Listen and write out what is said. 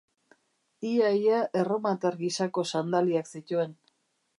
Ia-ia, erromatar gisako sandaliak zituen.